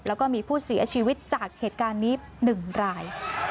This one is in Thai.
แล้วก็มีผู้เสียชีวิตจากเหตุการณ์นี้๑ราย